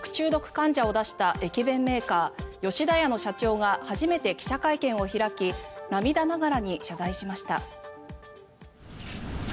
患者を出した駅弁メーカー吉田屋の社長が初めて記者会見を開き涙ながらに謝罪しました。